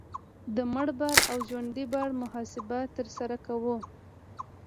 د مړ بار او ژوندي بار محاسبه ترسره کوو